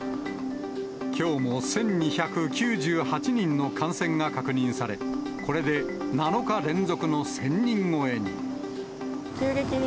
きょうも１２９８人の感染が確認され、これで７日連続の１０００人超えに。